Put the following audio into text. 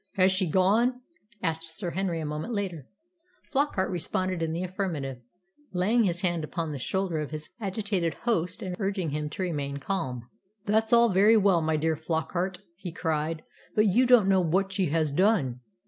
"Has she gone?" asked Sir Henry a moment later. Flockart responded in the affirmative, laying his hand upon the shoulder of his agitated host, and urging him to remain calm. "That's all very well, my dear Flockart," he cried; "but you don't know what she has done.